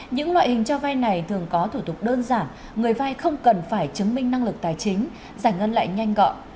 những loại hình cho vay này thường có thủ tục đơn giản người vai không cần phải chứng minh năng lực tài chính giải ngân lại nhanh gọn